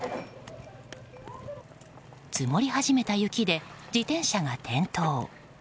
積もり始めた雪で自転車が転倒。